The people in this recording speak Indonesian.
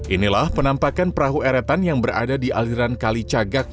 inilah penampakan perahu eretan yang berada di aliran kali cagak